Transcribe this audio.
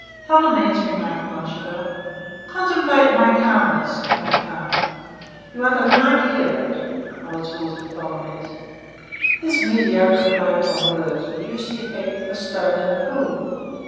"Tholomyès," remarked Blachevelle, "contemplate my calmness [mon calme]." "You are the Marquis of that," retorted Tholomyès. This mediocre play upon words produced the effect of a stone in a pool.